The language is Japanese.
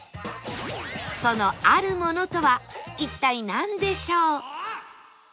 そのあるものとは一体なんでしょう？